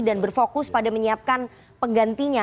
dan berfokus pada menyiapkan penggantinya